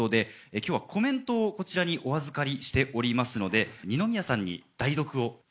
今日はコメントをこちらにお預かりしておりますので二宮さんに代読を。